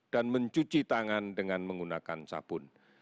dan mencuci tangan dengan menggunakan sabun